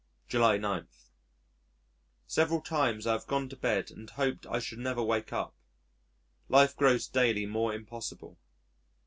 July 9. Several times I have gone to bed and hoped I should never wake up. Life grows daily more impossible.